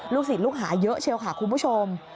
ศิษย์ลูกหาเยอะเชียวค่ะคุณผู้ชม